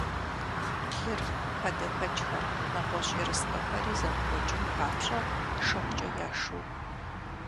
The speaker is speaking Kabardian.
Лыр, хадэхэкӀхэр, нэгъуэщӀ ерыскъыхэри зэмыкӀуэкӀын папщӀэ, шыгъукӀэ яшыу.